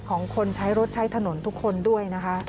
ของคนใช้รถใช้ถนนทุกคนด้วยนะคะ